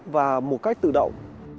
và một cách tự động